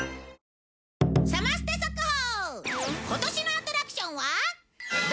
サマステ速報！